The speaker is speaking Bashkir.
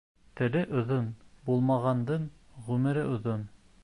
Теле оҙон булмағандың ғүмере оҙон.